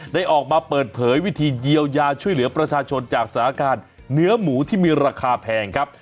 ได้ออกมาเปิดเผยวิธีเยียวยาช่วยเหลือประชาชนจากสถานการณ์เนื้อหมูที่มีราคาแพงครับ